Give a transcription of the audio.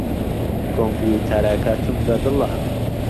کۆمپیوتەرەکەتم بەدڵە.